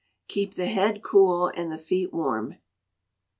[KEEP THE HEAD COOL AND THE FEET WARM.